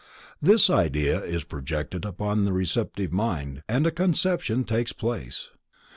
This idea is projected upon the receptive mind, and a conception takes place.